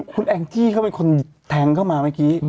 คุณแองจี้เขาเป็นคนแทงเข้ามาเมื่อกี้